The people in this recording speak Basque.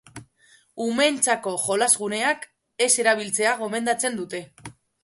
Umeentzako jolas-guneak ez erabiltzea gomendatzen dute.